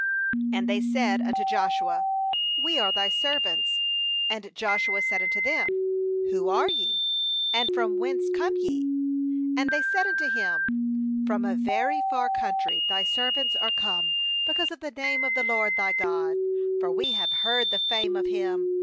8And they said unto Joshua: 'We are thy servants/ And Joshua said unto them: 'Who are ye? and from whence come ye?' 9And they said unto him: 'From a very far country thy servants are come because of the name of the LOED thy God; for we have heard the fame of Him.